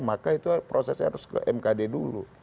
maka itu prosesnya harus ke mkd dulu